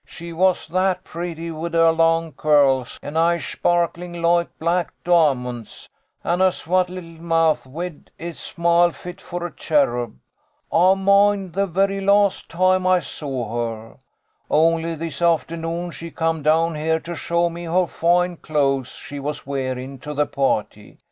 " She was that pretty wid her long currls, an' eyes shparklin' loike black dimonts, an' her swate little mouth wid its smile fit for a cherub. I moind the very last toime I saw her. Only this afthernoon she coom down here to show me her foine clothes she was wearin' to the parrty.